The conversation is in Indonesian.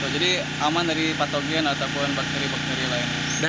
jadi aman dari patogen ataupun bakteri bakteri lain